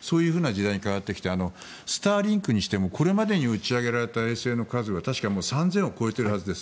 そういう時代に変わってきてスターリンクにしてもこれまでに打ち上げられた衛星の数は確か３０００億を超えているはずです。